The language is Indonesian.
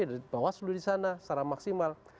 dari bawah seluruh di sana secara maksimal